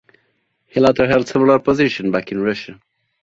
He later held several positions back in Russia.